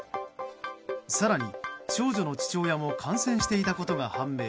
更に、少女の父親も感染していたことが判明。